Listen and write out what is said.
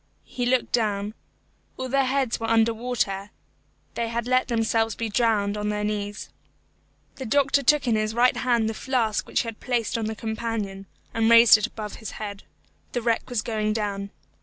He looked down. All their heads were under water. They had let themselves be drowned on their knees. The doctor took in his right hand the flask which he had placed on the companion, and raised it above his head. The wreck was going down.